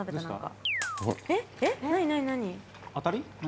当たり？何？